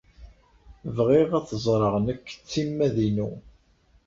Bɣiɣ ad t-ẓreɣ nekk d timmad-inu.